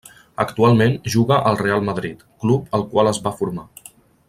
Actualment juga al Real Madrid, club al qual es va formar.